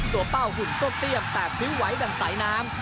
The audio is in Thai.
ตัวเป้าหุ่นโต้เตี้ยมแตกพื้นไว้ดังสายน้ำ